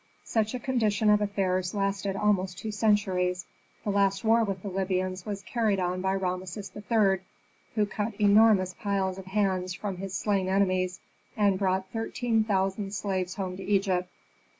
Such a condition of affairs lasted almost two centuries; the last war with the Libyans was carried on by Rameses III., who cut enormous piles of hands from his slain enemies, and brought thirteen thousand slaves home to Egypt.